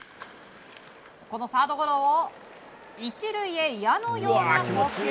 このサードゴロを１塁へ矢のような送球。